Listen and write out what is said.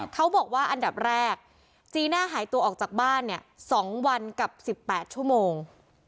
เขาบอกว่าอันดับแรกจีน่าหายตัวออกจากบ้านเนี่ย๒วันกับ๑๘ชั่วโมง